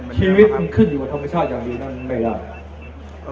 ชีวิตมันขึ้นอยู่กับธรรมชาติอย่างดีนั้นไม่ได้